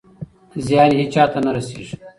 زیان یې هېچا ته نه رسېږي.